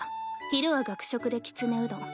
昼は学食できつねうどん。